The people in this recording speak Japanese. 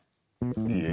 いえ。